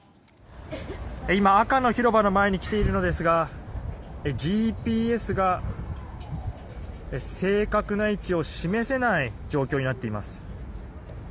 今、赤の広場の前に来ているのですがＧＰＳが正確な位置を示せない状況になっています。